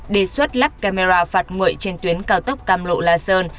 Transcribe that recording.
đề xuất lắp camera phạt nguội trên tuyến cao tốc cam lộ la sơn